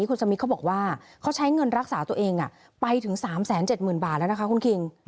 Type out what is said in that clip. คุณสมิทเขาบอกว่าเขาใช้เงินรักษาตัวเองไปถึง๓๗๐๐๐บาทแล้วนะคะคุณคิง